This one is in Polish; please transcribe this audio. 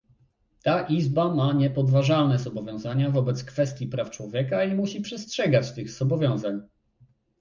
Ta Izba ma niepodważalne zobowiązania wobec kwestii praw człowieka i musi przestrzegać tych zobowiązań